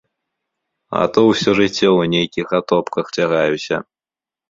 А то ўсё жыццё ў нейкіх атопках цягаюся!